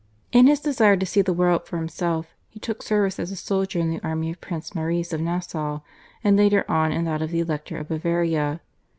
In his desire to see the world for himself he took service as a soldier in the army of Prince Maurice of Nassau, and later on in that of the Elector of Bavaria.